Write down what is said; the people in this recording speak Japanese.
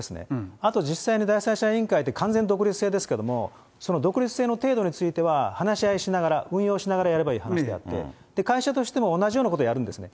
あと実際に第三者委員会って、完全独立性ですけれども、独立性の程度については、話し合いしながら、運用しながらやればいい話であって、会社としても同じようなことをやるんですね。